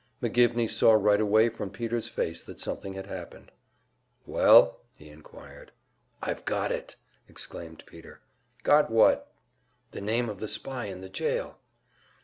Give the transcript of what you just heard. McGivney saw right away from Peter's face that something had happened. "Well?" he inquired. "I've got it!" exclaimed Peter. "Got what?" "The name of the spy in the jail."